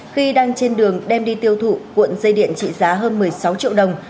khi đang trên đường đem đi tiêu thụ cuộn dây điện trị giá hơn một mươi sáu triệu đồng